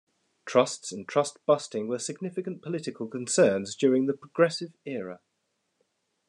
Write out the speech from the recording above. Trusts and trust-busting were significant political concerns during the Progressive Era.